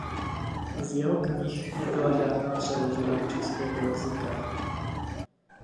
Z jeho knih nebyla žádná přeložena do českého jazyka.